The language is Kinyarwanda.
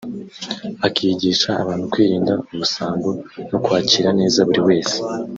akigisha abantu kwirinda ubusambo no kwakira neza buri wese